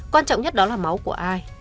quan trọng nhất đó là máu của ai